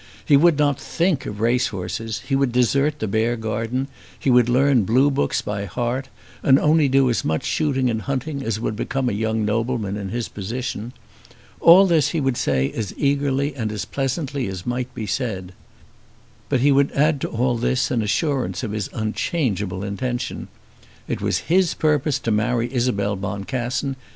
He would not think of race horses, he would desert the Beargarden, he would learn blue books by heart, and only do as much shooting and hunting as would become a young nobleman in his position. All this he would say as eagerly and as pleasantly as it might be said. But he would add to all this an assurance of his unchangeable intention. It was his purpose to marry Isabel Boncassen.